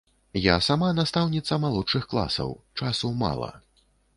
Я сама настаўніца малодшых класаў, часу мала.